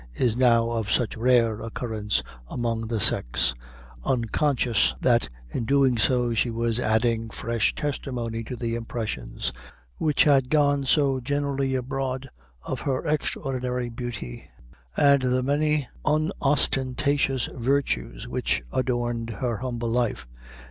is now of such rare occurrence among the sex, unconscious that, in doing so, she was adding fresh testimony to the impressions which had gone so generally abroad of her extraordinary beauty, and the many unostentatious virtues which adorned her humble life.